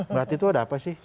berarti itu ada apa sih